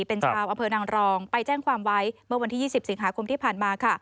เป็นชาวอำเภอนางรองไปแจ้งความไว้เมื่อวันที่๒๐สิงหาคมที่ผ่านมาค่ะ